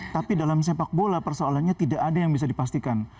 tapi dalam sepak bola persoalannya tidak ada yang bisa dipastikan